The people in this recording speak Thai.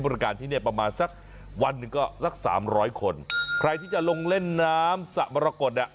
วันหนึ่งก็สักสามร้อยคนใครที่จะลงเล่นน้ำสระมรกฎเนี้ย